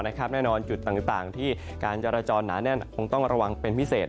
แน่นอนจุดต่างที่การจราจรหนาแน่นคงต้องระวังเป็นพิเศษ